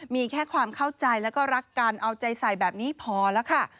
มีแค่ความเข้าใจแล้วก็รักกันเอาใจใส่แบบนี้พอแล้วค่ะ